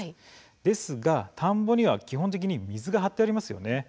ですが田んぼには基本的に水が張ってありますよね。